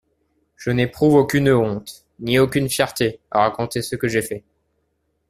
Je n'éprouve aucune honte, ni aucune fierté, à raconter ce que j'ai fait.